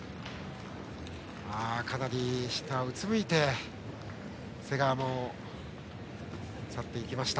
かなり下をうつむいて瀬川も去っていきました。